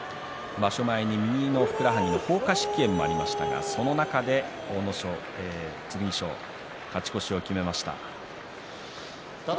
場所前に右のふくらはぎほうか織炎がありましたがその中で阿武咲は勝ち越しを決めました。